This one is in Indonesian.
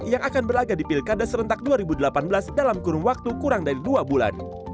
yang akan berlagak di pilkada serentak dua ribu delapan belas dalam kurun waktu kurang dari dua bulan